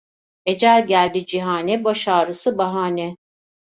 Ecel geldi cihane, baş ağrısı bahane.